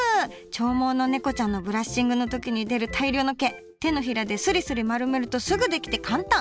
長毛のねこちゃんのブラッシングの時に出る大量の毛手のひらでスリスリ丸めるとすぐ出来て簡単！